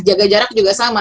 jaga jarak juga sama